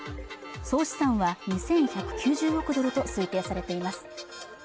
総資産は２１９０億ドルと推定されています